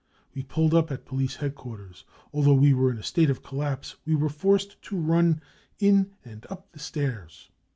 We pulled up at police headquarters. Although we were in a state of collapse we were forced to run in and up the stairs.